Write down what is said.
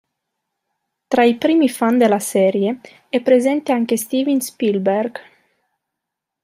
Tra i primi fan della serie è presente anche Steven Spielberg.